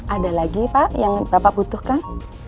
ada lagi pak yang bapak butuhkan